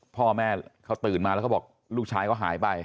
พ่อแม่เขาตื่นมาแล้วเขาบอกลูกชายเขาหายไป